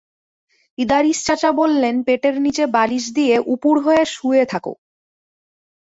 ইদারিস চাচা বললেন, পেটের নিচে বালিশ দিয়ে উপুড় হয়ে শুয়ে থােক।